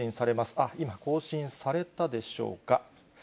あっ、今、更新されたでしょうか。